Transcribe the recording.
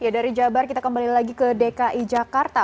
dari jabar kita kembali lagi ke dki jakarta